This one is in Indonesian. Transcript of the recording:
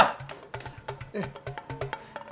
balikin topet gua